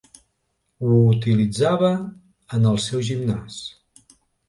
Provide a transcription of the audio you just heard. Ho utilitzava en el seu gimnàs.